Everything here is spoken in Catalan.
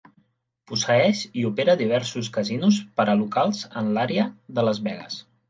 Posseeix i opera diversos casinos per a locals en l'àrea de Las Vegas.